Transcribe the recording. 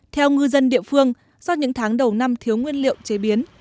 theo ngư dân địa phương do những tháng đầu năm thiếu nguyên liệu chế biến